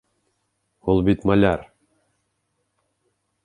Ул бит маляр.